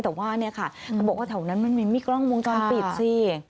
แต่ว่าเขาบอกว่าแถวนั้นมันมีกล้องมุมจอมปิดสิ